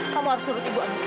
kamu harus nurut ibu amirah